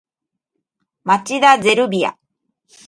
町田ゼルビア